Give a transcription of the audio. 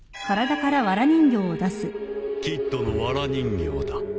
キッドのわら人形だ。